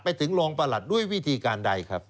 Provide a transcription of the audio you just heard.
ไปถึงรองประหลัดด้วยวิธีการใดครับ